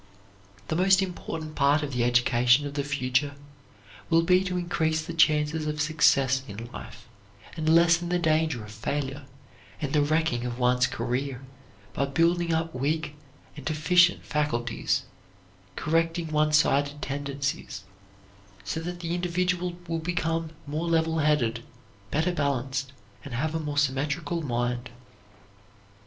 The most important part of the education of the future will be to increase the chances of success in life and lessen the danger of failure and the wrecking of one's career by building up weak and deficient faculties, correcting one sided tendencies, so that the individual will become more level headed, better balanced, and have a more symmetrical mind.